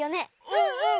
うんうん！